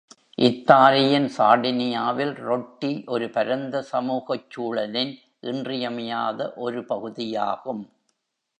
இத்தாலியின் சார்டினியாவில், ரொட்டி ஒரு பரந்த சமூகச் சூழலின் இன்றியமையாத ஒரு பகுதியாகும்.